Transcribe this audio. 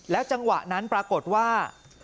จังหวะนั้นปรากฏว่า